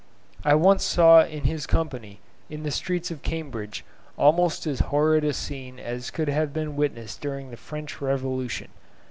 I once saw in his company in the streets of Cambridge almost as horrid a scene as could have been witnessed during the French Revolution.